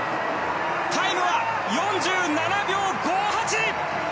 タイムは４７秒５８！